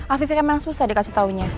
afifika memang susah dikasih taunya